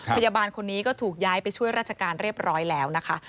พยาบาลคนนี้ก็ถูกย้ายไปช่วยราชการเรียบร้อยแล้วนะคะ